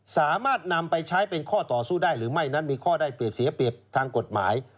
สามารถนำไปใช้เป็นข้อต่อสู้ได้หรือไม่นั้นมีข้อได้เปรียบเสียเปรียบทางกฎหมาย